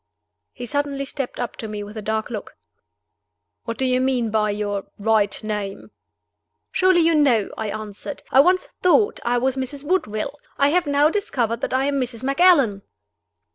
He suddenly stepped up to me with a dark look. "What do you mean by your 'right name?'" "Surely you know," I answered. "I once thought I was Mrs. Woodville. I have now discovered that I am Mrs. Macallan."